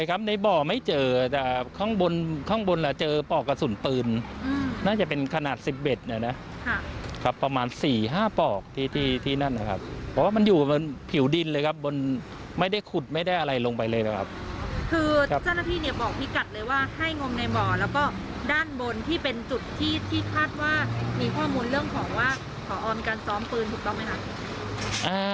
คือเจ้าหน้าที่เนี่ยบอกพี่กัดเลยว่าให้งมในบ่อแล้วก็ด้านบนที่เป็นจุดที่ที่คาดว่ามีข้อมูลเรื่องของว่าพอมีการซ้อมปืนถูกต้องไหมคะ